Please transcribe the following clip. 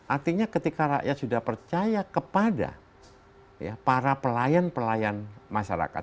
artinya ketika rakyat sudah percaya kepada para pelayan pelayan masyarakat